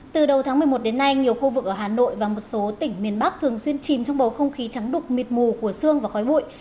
từ đầu tháng một mươi một đến nay nhiều khu vực ở hà nội và một số tỉnh miền bắc thường xuyên chìm trong bầu không khí trắng đục mịt mù của sương và khói bụi